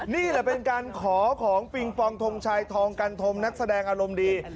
นี่แหละเป็นการขอของปิงปองทงชัยทองกันธมนักแสดงอารมณ์ดี